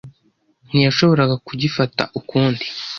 Ntiyashoboraga kugifata ukundi.